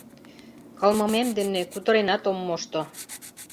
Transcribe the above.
Кылмымем дене кутыренат ом мошто.